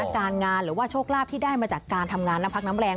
การงานหรือว่าโชคลาภที่ได้มาจากการทำงานน้ำพักน้ำแรง